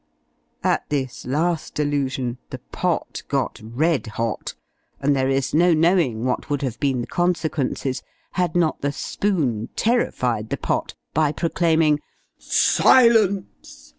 At this last allusion the "Pott" got red hot, and there is no knowing what would have been the consequences, had not the "Spoon" terrified the "Pott" by proclaiming "silence!"